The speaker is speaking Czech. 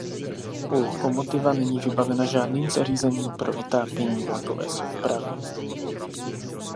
Lokomotiva není vybavena žádným zařízením pro vytápění vlakové soupravy.